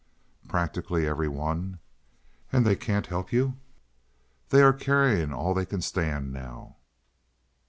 "Practically every one." "And they can't help you?" "They are carrying all they can stand now."